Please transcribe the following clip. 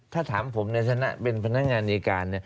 ถ้าถามผมในฐานะเป็นพนักงานในการ